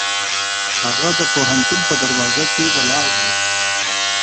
هغه د پوهنتون په دروازه کې ولاړ و.